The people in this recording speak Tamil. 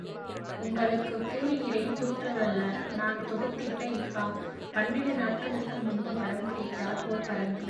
உங்களுக்குக் கூறுகிறேன் தூற்றலல்ல, நான் தொகுத்திட்ட இப்பா பன்னெடு நாட்களுக்கு முன்பு படம் பிடித்தார் ஓர் பரங்கி.